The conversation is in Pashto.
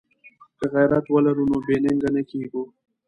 که غیرت ولرو نو بې ننګه نه کیږو.